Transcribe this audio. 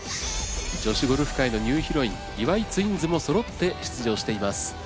女子ゴルフ界のニューヒロイン岩井ツインズもそろって出場しています。